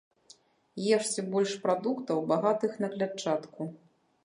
Ешце больш прадуктаў, багатых на клятчатку.